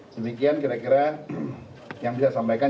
sedemikian kira kira yang bisa disampaikan